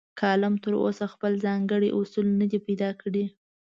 کالم تراوسه خپل ځانګړي اصول نه دي پیدا کړي.